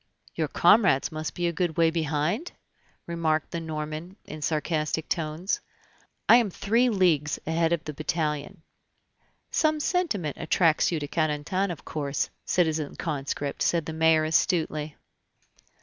"Your comrades must be a good way behind?" remarked the Norman in sarcastic tones. "I am three leagues ahead of the battalion." "Some sentiment attracts you to Carentan, of course, citizen conscript," said the mayor astutely.